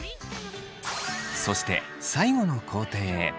そして最後の工程へ。